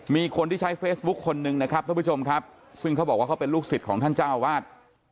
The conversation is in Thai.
มีคนที่ใช้เฟซบุ๊คคนนึงนะครับท่านผู้ชมครับซึ่งเขาบอกว่าเขาเป็นลูกศิษย์ของท่านเจ้าวาด